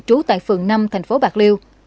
trú tại phường năm thành phố bạc điêu